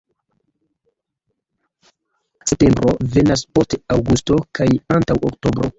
Septembro venas post aŭgusto kaj antaŭ oktobro.